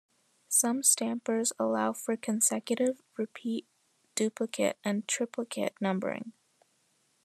Some stampers allow for consecutive, repeat, duplicate and triplicate numbering.